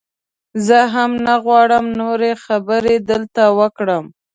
زه هم نه غواړم نورې خبرې دلته وکړم.